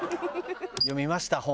読みました本。